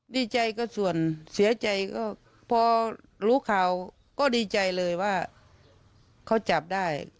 ดีใจก็ส่วนเสียใจก็พอรู้ข่าวก็ดีใจเลยว่าเขาจับได้